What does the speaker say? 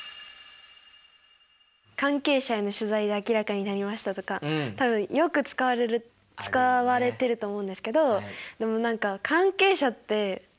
「関係者への取材で明らかになりました」とか多分よく使われてると思うんですけどでも何か関係者ってじゃあ誰？みたいな。